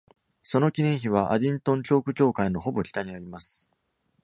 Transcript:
その記念碑は、アディントン教区教会のほぼ北にあります。